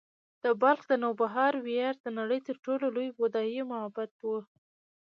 د بلخ د نوبهار ویهار د نړۍ تر ټولو لوی بودایي معبد و